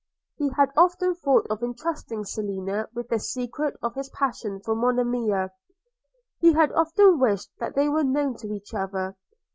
He had often thought of entrusting Selina with the secret of his passion for Monimia. He had often wished they were known to each other.